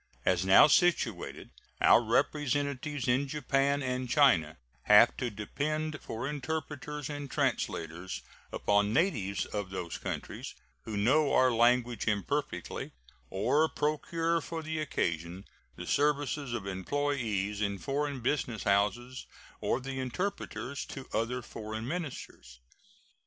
As now situated, our representatives in Japan and China have to depend for interpreters and translators upon natives of those countries, who know our language imperfectly, or procure for the occasion the services of employees in foreign business houses or the interpreters to other foreign ministers.